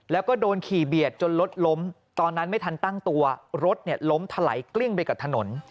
แล้วก็โดนขี่เบียดจนรถล้มตอนนั้นไม่ทันตั้งตัวรถล้มถลายกลิ้งไปกับถนน